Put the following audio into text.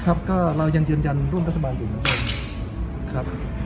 ครับก็เรายังยืนยันร่วมรัฐบาลอยู่กันนะครับ